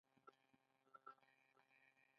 د افغانستان تر ټولو لویه ولسوالۍ کومه ده؟